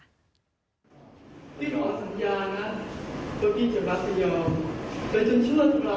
ที่ขอสัญญานะตอนนี้จะบัสยอม